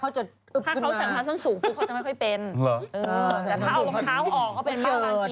เอาตลอดพุปุ๊กก็คือตลอด